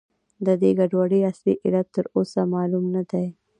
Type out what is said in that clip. د دې ګډوډۍ اصلي علت تر اوسه معلوم نه دی.